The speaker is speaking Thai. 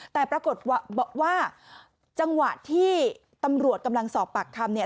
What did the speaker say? แต่ปรากฏว่าจังหวะที่ตำรวจกำลังสอบปากคำเนี่ย